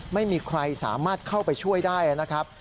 ไม่มีใครสามารถเข้าไปช่วยได้นะครับ